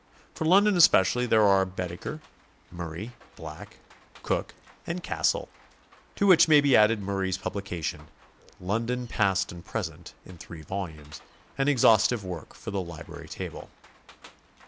For London especially there are Baedeker, Murray, Black, Cook 246 GOING ABROAD? and Cassell, to which may be added Murray's publication, "London, Past and Present," in three volumes, an exhaustive work for the library table.